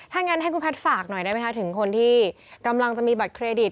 ถ้างั้นให้คุณแพทย์ฝากหน่อยได้ไหมคะถึงคนที่กำลังจะมีบัตรเครดิต